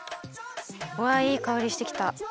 うわいいかおりしてきた。